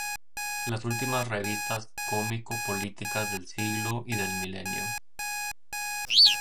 Las últimas revistas cómico políticas del siglo y del milenio".